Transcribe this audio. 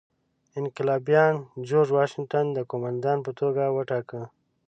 انقلابیانو جورج واشنګټن د قوماندان په توګه وټاکه.